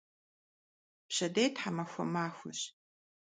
Пщэдей тхьэмахуэ махуэщ.